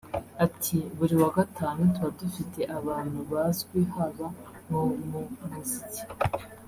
Ati” Buri wagatanu tuba dufite abantu bazwi haba mu mu muziki